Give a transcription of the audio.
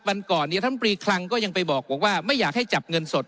วันก่อนเนี่ยท่านปรีคลังก็ยังไปบอกว่าไม่อยากให้จับเงินสด